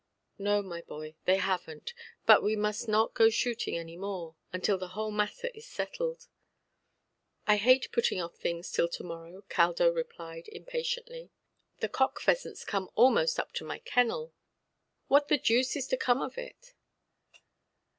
"No, my boy, they havenʼt. But we must not go shooting any more, until the whole matter is settled". "I hate putting off things till to–morrow", Caldo replied, impatiently; "the cock–pheasants come almost up to my kennel. What the deuce is to come of it"?